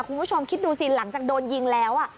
คุณผู้ชมคิดดูสิหลังจากโดนยิงแล้ว